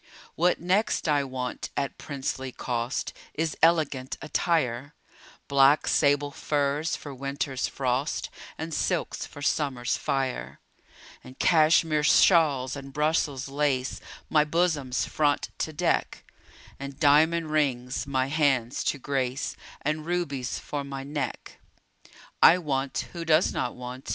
What next I want, at princely cost, Is elegant attire : Black sable furs for winter's frost, And silks for summer's fire, And Cashmere shawls, and Brussels lace My bosom's front to deck, And diamond rings my hands to grace, And rubies for my neck. I want (who does not want?)